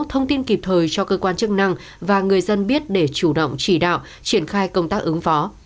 thông tin kịp thời cho cơ quan chức năng và người dân biết để chủ động chỉ đạo triển khai công tác ứng phó